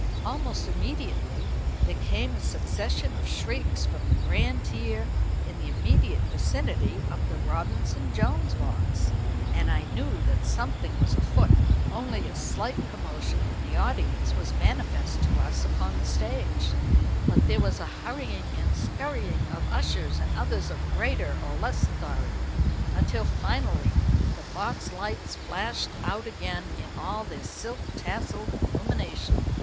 Almost immediately there came a succession of shrieks from the grand tier in the immediate vicinity of the Robinson Jones box, and I knew that something was afoot. Only a slight commotion in the audience was manifest to us upon the stage, but there was a hurrying and scurrying of ushers and others of greater or less authority, until finally the box lights flashed out again in all their silk tasselled illumination.